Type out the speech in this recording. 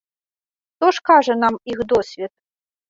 Што ж кажа нам іх досвед?